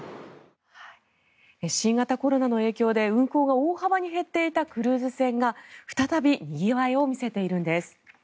新型コロナの影響で運航が大幅に減っていたクルーズ船が再びにぎわいを見せているんです。